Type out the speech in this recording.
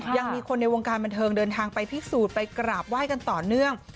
ยังมีคนในวงการบันเทิงเดินทางไปพิสูจน์ไปกราบไหว้กันต่อเนื่อง